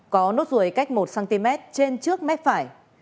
có nốt ruồi cách một cm trên trước mép phải